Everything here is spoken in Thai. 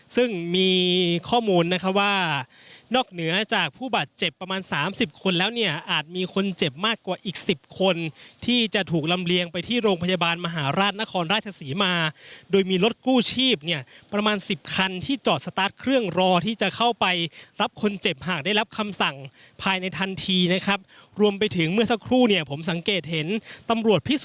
ซึ่งมีข้อมูลนะคะว่านอกเหนือจากผู้บาดเจ็บประมาณสามสิบคนแล้วเนี่ยอาจมีคนเจ็บมากกว่าอีกสิบคนที่จะถูกลำเลียงไปที่โรงพยาบาลมหาราชนครราชศรีมาโดยมีรถกู้ชีพเนี่ยประมาณสิบคันที่จอดสตาร์ทเครื่องรอที่จะเข้าไปรับคนเจ็บหากได้รับคำสั่งภายในทันทีนะครับรวมไปถึงเมื่อสักครู่เนี่ยผมสังเกตเห็นตำรวจพิสู